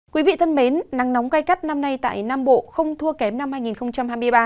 quý vị thân mến nắng nóng gây gắt năm nay tại nam bộ không thua kém năm hai nghìn hai mươi ba